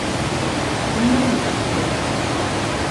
Unha embusteira.